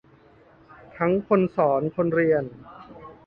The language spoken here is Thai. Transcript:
ทั้งคนสอนคนเรียน